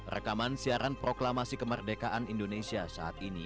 rekaman siaran proklamasi kemerdekaan indonesia saat ini